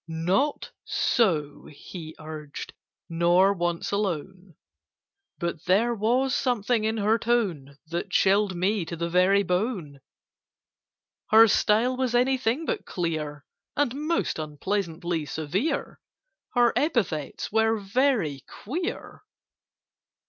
"Not so," he urged, "nor once alone: But there was something in her tone That chilled me to the very bone. "Her style was anything but clear, And most unpleasantly severe; Her epithets were very queer.